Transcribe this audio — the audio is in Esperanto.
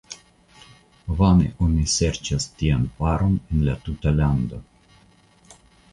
Vane oni serĉas tian paron en la tuta lando.